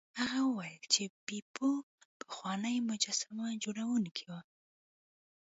هغه وویل چې بیپو پخوانی مجسمه جوړونکی و.